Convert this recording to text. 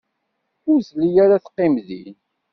Ur telli ara teqqim din.